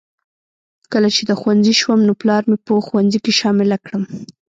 کله چې د ښوونځي شوم نو پلار مې په ښوونځي کې شامله کړم